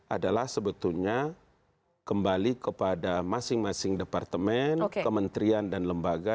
adalah sebetulnya kembali kepada masing masing departemen kementerian dan lembaga